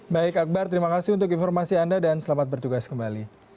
baik akbar terima kasih untuk informasi anda dan selamat bertugas kembali